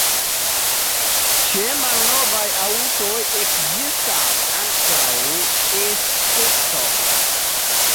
Ĉe malnovaj aŭtoj ekzistas ankoraŭ esceptoj.